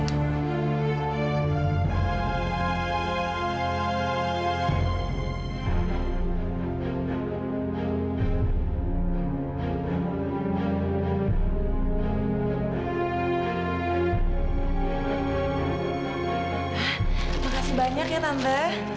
terima kasih banyak ya tante